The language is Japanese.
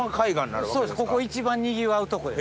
ここ一番にぎわうとこです。